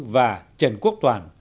và trần quốc toàn